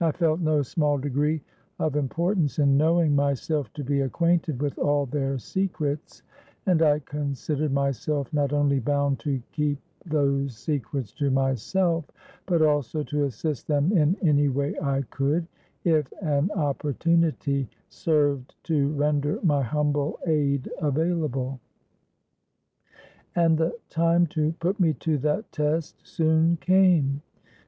I felt no small degree of importance in knowing myself to be acquainted with all their secrets; and I considered myself not only bound to keep those secrets to myself, but also to assist them in any way I could, if an opportunity served to render my humble aid available. And the time to put me to that test soon came.